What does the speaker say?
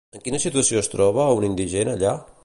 En quina situació es troba un indigent allà?